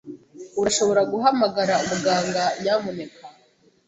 Urashobora guhamagara umuganga, nyamuneka?